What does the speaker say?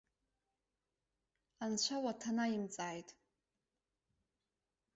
Анцәа уаҭанаимҵааит!